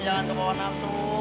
jangan kebawah nafsu